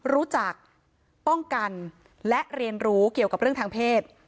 รู้จักป้องกันและเรียนรู้เกี่ยวกับเรื่องทางเพศ